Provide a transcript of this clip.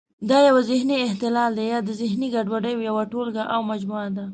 دا یو ذهني اختلال دی یا د ذهني ګډوډیو یوه ټولګه او مجموعه ده.